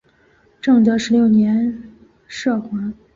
正德十六年赦还。